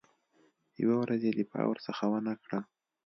یوه ورځ یې دفاع ورڅخه ونه کړه.